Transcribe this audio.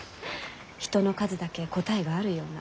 人の数だけ答えがあるような。